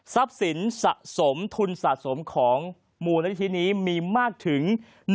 ทรัพย์สินสะสมทุนสะสมของมูลนาฬิทธินี้มีมากถึง